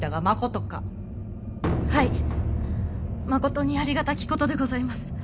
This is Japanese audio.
まことにありがたき事でございます。